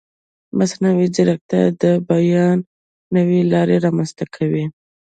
مصنوعي ځیرکتیا د بیان نوې لارې رامنځته کوي.